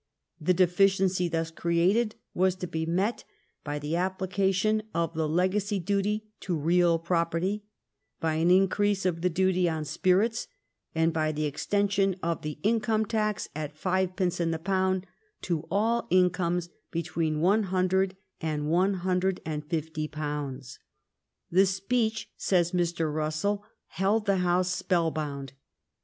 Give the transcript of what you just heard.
The deficiency thus created was to be met by the application of the legacy duty to real property, by an increase of the duty on spirits, and by the extension of the income tax at fivepence in the pound to all incomes between one hundred and one hundred and fifty pounds." " The speech," says Mr. Russell, " held the House spellbound.